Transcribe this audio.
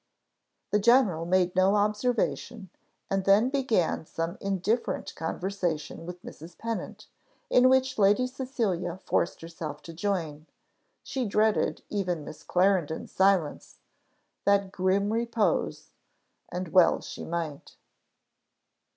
The general made no observation and then began some indifferent conversation with Mrs. Pennant, in which Lady Cecilia forced herself to join; she dreaded even Miss Clarendon's silence that grim repose, and well she might.